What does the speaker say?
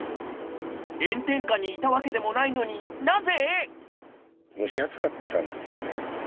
炎天下にいたわけでもないのになぜ？